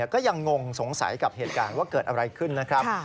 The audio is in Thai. ต้องใส่กับเหตุการณ์ว่าเกิดอะไรขึ้นนะครับ